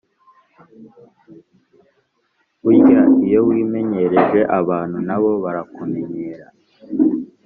Burya iyo wimenyereje abantu nabo barakumenyera